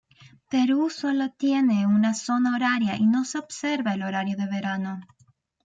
Perú tiene sólo una zona horaria y no se observa el horario de verano.